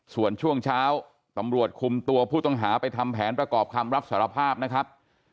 ส่วนช่วงเช้าตำรวจคุมตัวผู้ต้องหาไปทำแผนประกอบคำรับสารภาพนะครับ